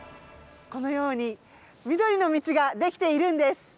このように緑の道が出来ているんです。